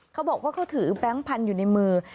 เขาบอกว่าเขาถือแบงค์พันธุ์อยู่ในมือ